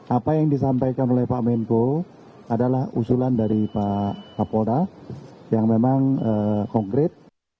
apa yang disampaikan oleh pak menko adalah usulan dari pak kapolda yang memang konkret